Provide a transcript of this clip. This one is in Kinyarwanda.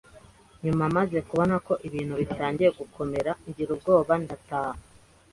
nyuma maze kubona ko ibintu bitangiye gukomera ngira ubwoba ndataha,